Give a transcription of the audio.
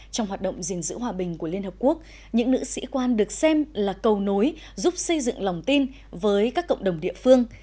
trong hoạt động gìn giữ hòa bình của liên hợp quốc những nữ sĩ quan được xem là cầu nối giúp xây dựng lòng tin với các cộng đồng địa phương